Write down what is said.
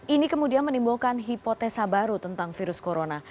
ini kemudian menimbulkan hipotesa baru tentang virus corona